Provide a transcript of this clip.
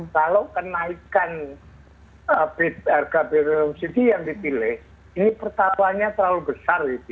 kalau kenaikan harga bbm bersubsidi yang dipilih ini pertabuhannya terlalu besar